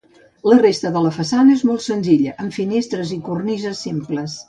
La resta de la façana és molt senzilla amb finestres i cornises simples.